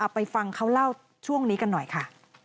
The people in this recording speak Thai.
ไปฟังเขาเล่าช่วงนี้กันหน่อยค่ะ